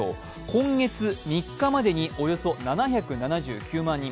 今月３日までにおよそ７７９万人。